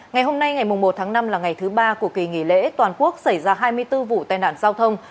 ngày hôm nay ngày một tháng năm là ngày thứ ba của kỳ nghỉ lễ toàn quốc xảy ra hai mươi bốn vụ tai nạn giao thông